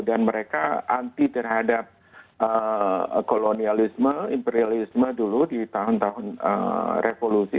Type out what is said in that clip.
dan mereka anti terhadap kolonialisme imperialisme dulu di tahun tahun revolusi